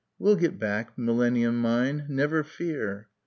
"We'll get back, Millenium mine never fear."